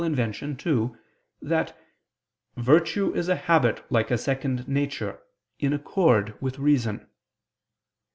ii) that "virtue is a habit like a second nature, in accord with reason."